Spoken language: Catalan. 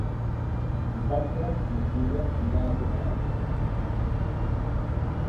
Dissabte na Sibil·la anirà a Camarasa.